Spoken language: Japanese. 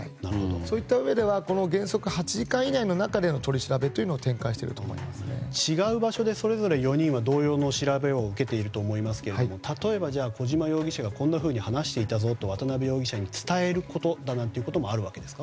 そういったうえでは、原則８時間以内の中での取り調べを違う場所でそれぞれ４人は同様の調べを受けていると思いますけど例えば、小島容疑者がこんなふうに話していたぞと渡邉容疑者に伝えることもあるわけですか。